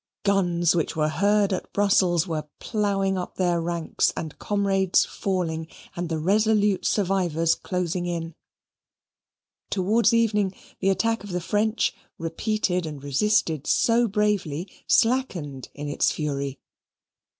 Guns which were heard at Brussels were ploughing up their ranks, and comrades falling, and the resolute survivors closing in. Towards evening, the attack of the French, repeated and resisted so bravely, slackened in its fury.